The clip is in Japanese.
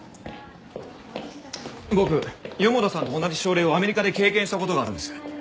僕四方田さんと同じ症例をアメリカで経験した事があるんです。